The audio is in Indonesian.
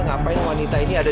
ngapain wanita ini ada di rumah